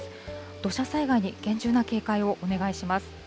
土砂災害に厳重な警戒をお願いします。